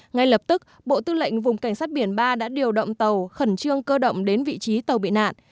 ngay lập tức bộ tư lệnh vùng cảnh sát biển ba đã điều động tàu khẩn trương cơ động đến vị trí tàu bị nạn